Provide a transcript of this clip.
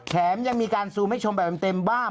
แถมยังมีการซูมให้ชมแบบเต็มบ้าง